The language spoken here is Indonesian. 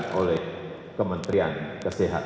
kepada kementerian kesehatan